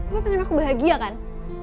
gue pengen aku bahagia kan